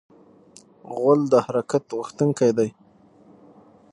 غول د حرکت غوښتونکی دی.